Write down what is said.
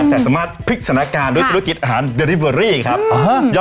แต่สามารถพิกษณะการด้วยธุรกิจอาหารเดริเวอรี่ครับอืมอ่าฮะ